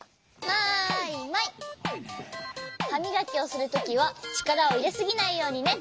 はみがきをするときはちからをいれすぎないようにね。